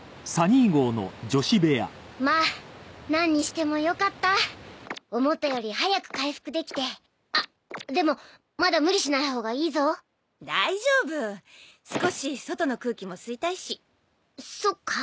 まあなんにしてもよかった思ったより早く回復できてあっでもまだ無理しないほうがいいぞ大丈夫少し外の空気も吸いたいしそっか？